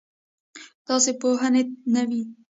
داسې پوهنې نه وې.